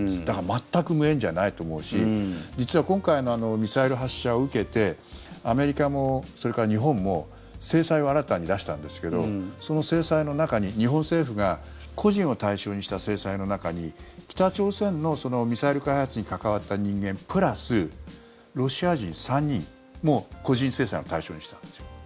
だから全く無縁じゃないと思うし実は今回のミサイル発射を受けてアメリカも、それから日本も制裁を新たに出したんですけどその制裁の中に日本政府が個人を対象にした制裁の中に北朝鮮のミサイル開発に関わった人間プラスロシア人３人も個人制裁の対象にしたんですよ。